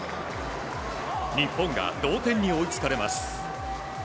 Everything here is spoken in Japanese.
日本が同点に追いつかれます。